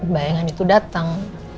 bayangan itu datang